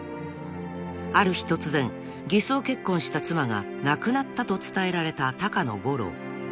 ［ある日突然偽装結婚した妻が亡くなったと伝えられた高野吾郎］